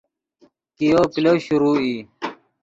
کئیو کلو شروع ای